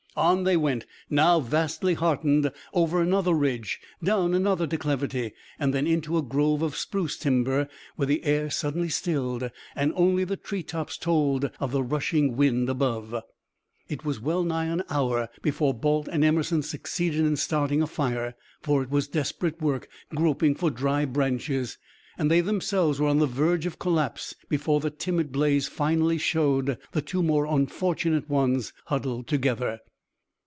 On they went, now vastly heartened, over another ridge, down another declivity, and then into a grove of spruce timber, where the air suddenly stilled, and only the tree tops told of the rushing wind above. It was well nigh an hour before Balt and Emerson succeeded in starting a fire, for it was desperate work groping for dry branches, and they themselves were on the verge of collapse before the timid blaze finally showed the two more unfortunate ones huddled together.